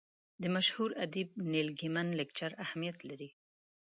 د مشهور ادیب نیل ګیمن لیکچر اهمیت لري.